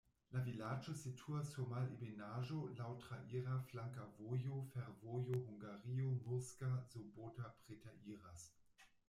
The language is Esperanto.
La vilaĝo situas sur malebenaĵo, laŭ traira flanka vojo, fervojo Hungario-Murska Sobota preteriras.